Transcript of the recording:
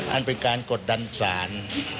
อันเป็นการกดดันสาร